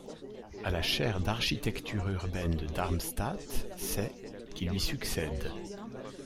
À la chaire d'architecture urbaine de Darmstadt, c'est qui lui succède.